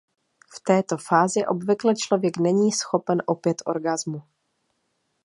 V této fázi obvykle člověk není schopen opět orgasmu.